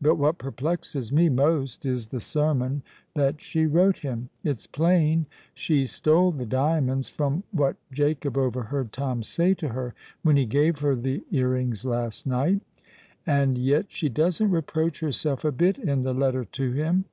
But what perplexes me most is the sermon that she wrote him. It's plain she stole the diamonds, from what Jacob overheard Tom say to her when he gave her the ear rings last night; and yet she doesn't reproach herself a bit in the letter to him.